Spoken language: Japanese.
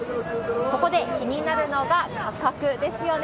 ここで気になるのが価格ですよね。